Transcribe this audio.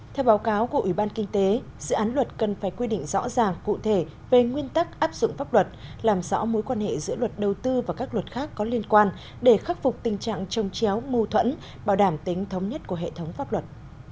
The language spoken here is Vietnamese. theo báo cáo của ủy ban kinh tế dự án luật cần phải quy định rõ ràng cụ thể về nguyên tắc áp dụng pháp luật làm rõ mối quan hệ giữa luật đầu tư và các luật khác có liên quan để khắc phục tình trạng trông chéo mưu thuẫn bảo đảm tính thống nhất của hệ thống pháp luật